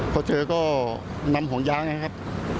พอเจอก็นำห่วงยางนะครับ